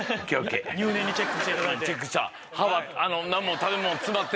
入念にチェックして頂いて。